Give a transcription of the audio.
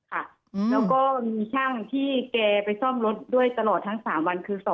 แล้วก็มีช่างที่แกไปซ่อมรถด้วยตลอดทั้ง๓วันคือ